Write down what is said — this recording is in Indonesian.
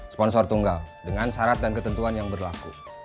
sponsor tunggal dengan syarat dan ketentuan yang berlaku